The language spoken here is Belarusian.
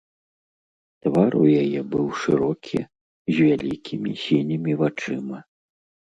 Твар у яе быў шырокі, з вялікімі сінімі вачыма.